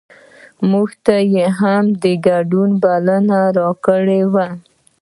مونږ ته یې هم د ګډون بلنه راکړې وه.